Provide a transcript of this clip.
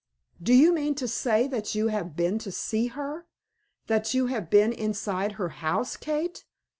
"Do you mean to say that you have been to see her, that you have been inside her house, Kate?"